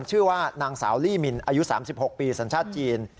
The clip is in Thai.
ชื่อว่านางสาวลี่มินอายุ๓๖ปีสัญชาติจีน